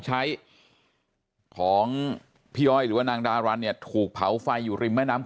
ใช้ของพี่อ้อยหรือว่านางดารันเนี่ยถูกเผาไฟอยู่ริมแม่น้ำ